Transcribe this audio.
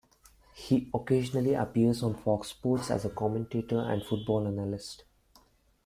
He occasionally appears on Fox Sports as a commentator and football analyst.